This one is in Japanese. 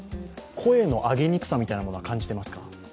声の上げにくさみたいなものは感じていますか？